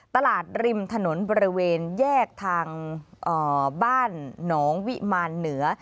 ริมถนนบริเวณแยกทางบ้านหนองวิมารเหนือ